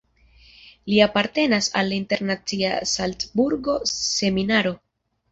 Li apartenas al la internacia Salcburgo-Seminaro.